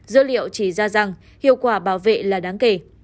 dữ liệu chỉ ra rằng hiệu quả bảo vệ là đáng kể